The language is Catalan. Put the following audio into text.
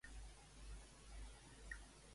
La crema catalana és un postre català